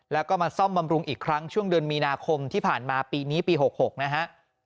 แล้วก็มาซ่อมบำรุงอีกครั้งช่วงเดือนมีนาคมที่ผ่านมาปีนี้ปี๖๖นะฮะ